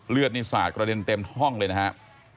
เลือดนี่สาดกระเด็นเต็มห้องเลยนะครับ